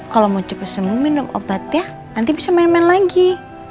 kalau mau cepet semua minum obat ya nanti bisa main main lagi